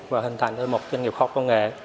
và hình thành hơn một doanh nghiệp khoa học công nghệ